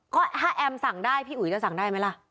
ก็ถ้าแอมสั่งได้พี่อุ๋ยจะสั่งได้ไหมล่ะ